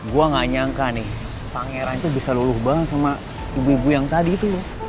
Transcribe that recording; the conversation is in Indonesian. gue gak nyangka nih pangeran itu bisa luluh banget sama ibu ibu yang tadi itu loh